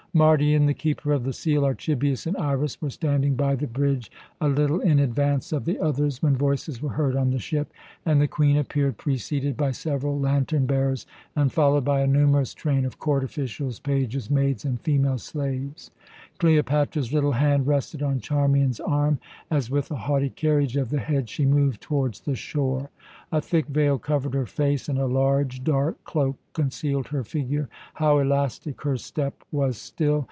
Mardion, the Keeper of the Seal, Archibius, and Iras were standing by the bridge a little in advance of the others, when voices were heard on the ship, and the Queen appeared, preceded by several lantern bearers and followed by a numerous train of court officials, pages, maids, and female slaves. Cleopatra's little hand rested on Charmian's arm, as, with a haughty carriage of the head, she moved towards the shore. A thick veil covered her face, and a large, dark cloak concealed her figure. How elastic her step was still!